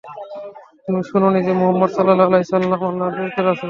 তুমি শোননি যে, মুহাম্মাদ সাল্লাল্লাহু আলাইহি ওয়াসাল্লাম-আল্লাহর প্রেরিত রাসূল!